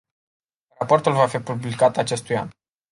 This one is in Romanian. Raportul va fi publicat acestui an.